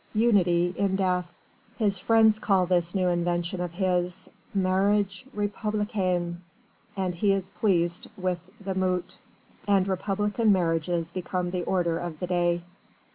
Unity in death!" His friends call this new invention of his: "Marriage Républicain!" and he is pleased with the mot. And Republican marriages become the order of the day.